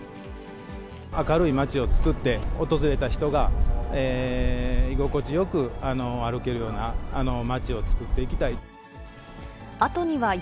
明るい街を作って、訪れた人が居心地よく歩けるような街を作っていきたい。